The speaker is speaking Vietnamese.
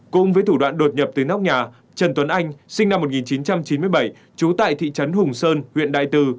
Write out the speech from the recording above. cũng với thủ đoạn đột nhập từ nóc nhà trần tuấn anh sinh năm một nghìn chín trăm chín mươi bảy trú tại thị trấn hùng sơn huyện đại từ